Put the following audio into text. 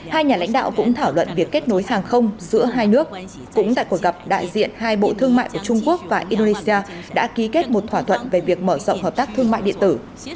hai nhà lãnh đạo cũng thảo luận việc kết nối hàng không giữa hai nước cũng tại cuộc gặp đại diện hai bộ thương mại của trung quốc và indonesia đã ký kết một thỏa thuận về việc mở rộng hợp tác thương mại điện tử